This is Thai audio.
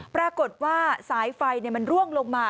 ปรากฏว่าสายไฟมันร่วงลงมา